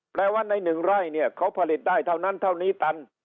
แปลว่าใน๑ไร่เนี่ยเขาผลิตได้เท่านั้นเท่านี้ตัน